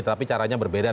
tapi caranya berbeda